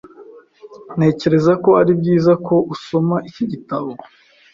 Ntekereza ko ari byiza ko usoma iki gitabo.